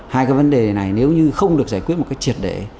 hai cái vấn đề này nếu như không được giải quyết một cách triệt để